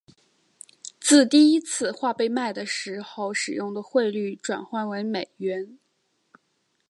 自第一次画被卖的时候使用的汇率转换成美元。